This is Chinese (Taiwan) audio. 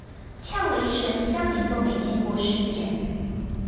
嗆了一聲鄉民都沒見過世面